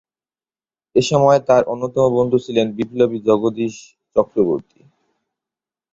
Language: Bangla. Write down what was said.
এসময় তার অন্যতম বন্ধু ছিলেন বিপ্লবী জগদীশ চক্রবর্তী।